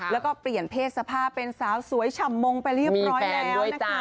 แล้วก็เปลี่ยนเพศสภาพเป็นสาวสวยฉ่ำมงไปเรียบร้อยแล้วนะคะ